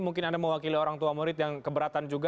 mungkin anda mewakili orang tua murid yang keberatan juga